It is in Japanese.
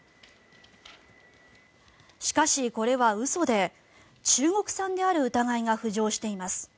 しかし、これは嘘で中国産である疑いが浮上しています。